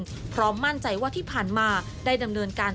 พร้อมมั่นใจว่าที่ผ่านมาได้ดำเนินการ